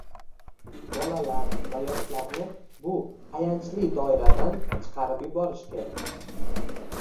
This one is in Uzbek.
Bolalar va yoshlarni bu "ayanchli doiradan" chiqarib yuborish kerak